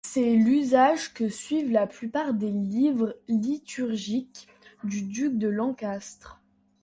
C'est l'usage que suivent la plupart des livres liturgiques du duc de Lancastre.